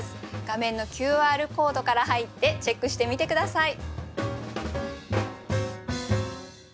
画面のＱＲコードから入ってチェックしてみて下さい。